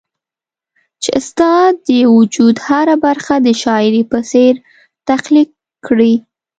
چي ستا د وجود هره برخه د شاعري په څير تخليق کړي